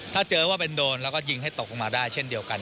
ถ้าเจอว่าเป็นโดนแล้วก็ยิงให้ตกลงมาได้เช่นเดียวกัน